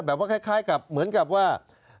คล้ายกับเหมือนกับว่า